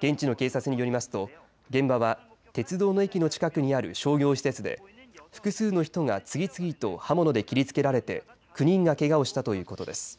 現地の警察によりますと、現場は鉄道の近くの駅にある商業施設で複数の人が次々と刃物で切りつけられて９人がけがをしたということです。